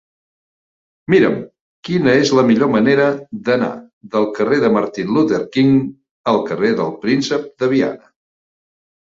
Mira'm quina és la millor manera d'anar del carrer de Martin Luther King al carrer del Príncep de Viana.